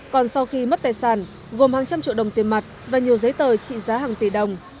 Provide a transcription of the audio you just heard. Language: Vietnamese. còn sau khi mất tài sản gồm hàng trăm triệu đồng tiền mặt và nhiều giấy tờ trị giá hàng tỷ đồng